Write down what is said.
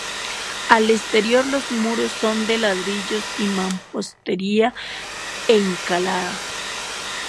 Al exterior, los muros son de ladrillo y mampostería encalada.